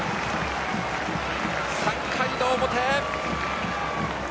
３回の表！